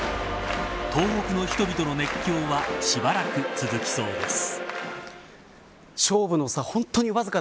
東北の人々の熱狂はしばらく続きそうです。